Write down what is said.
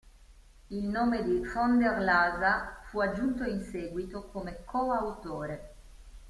Il nome di von der Lasa fu aggiunto in seguito come coautore.